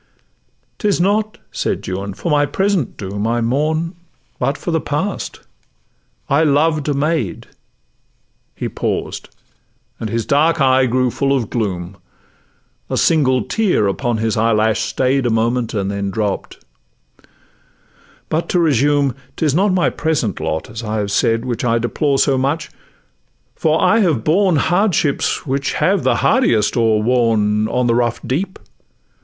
''Tis not,' said Juan, 'for my present doom I mourn, but for the past;—I loved a maid:' He paused, and his dark eye grew full of gloom; A single tear upon his eyelash staid A moment, and then dropp'd; 'but to resume, 'Tis not my present lot, as I have said, Which I deplore so much; for I have borne Hardships which have the hardiest overworn, 'On the rough deep.